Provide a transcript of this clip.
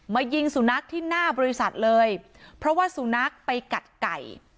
ยิงสุนัขที่หน้าบริษัทเลยเพราะว่าสุนัขไปกัดไก่